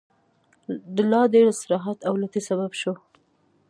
د لا ډېر استراحت او لټۍ سبب شو.